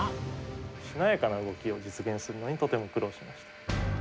しなやかな動きを実現するのにとても苦労しました。